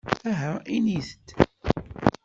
Aha init-d!